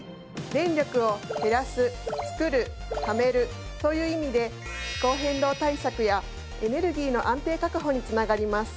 電力を「へらすつくるためる」という意味で気候変動対策やエネルギーの安定確保に繋がります。